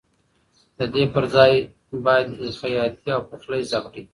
د دې پر ځای باید خیاطي او پخلی زده کړې.